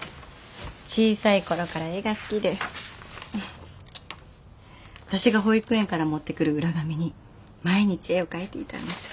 小さい頃から絵が好きでフフ私が保育園から持ってくる裏紙に毎日絵を描いていたんです。